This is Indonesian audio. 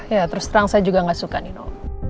ya terus terang saya juga nggak suka nino